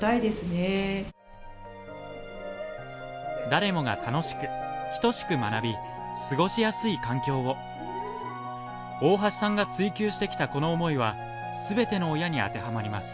誰もが楽しく等しく学び過ごしやすい環境を大橋さんが追求してきたこの思いは全ての親に当てはまります